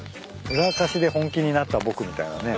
ウラカシで本気になった僕みたいなね。